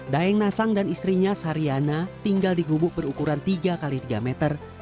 daeng nasang dan istrinya sariana tinggal di gubuk berukuran tiga x tiga meter